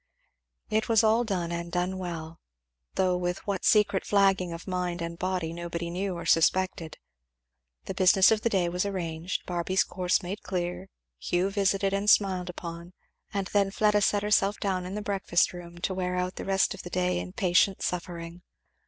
It was all done and done well, though with what secret flagging of mind and body nobody knew or suspected. The business of the day was arranged, Barby's course made clear, Hugh visited and smiled upon; and then Fleda set herself down in the breakfast room to wear out the rest of the day in patient suffering.